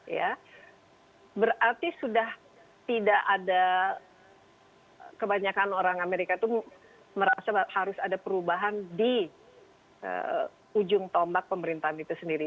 ya berarti sudah tidak ada kebanyakan orang amerika itu merasa harus ada perubahan di ujung tombak pemerintahan itu sendiri